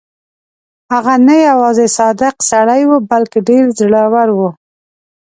هغه نه یوازې صادق سړی وو بلکې ډېر زړه ور وو.